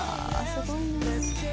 すごいね。